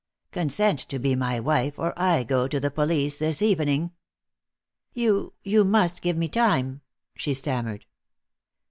Consent to be my wife, or I go to the police this evening." "You you must give me time," she stammered.